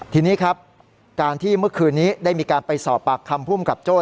ทีนี้ครับการที่เมื่อคืนนี้ได้มีการไปสอบปากคำภูมิกับโจ้